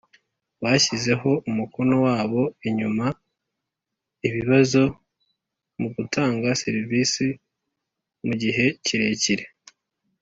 bashyizeho umukono wabo inyuma ibibazo mu gutanga serivisi mu gihe kirekire